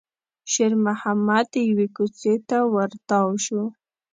شېرمحمد يوې کوڅې ته ور تاو شو.